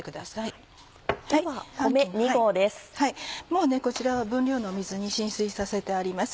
もうこちらは分量の水に浸水させてあります。